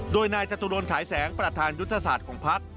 โดยนายจตุรนฉายแสงประธานยุทธศาสตร์ของพัก